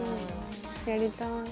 やりたい。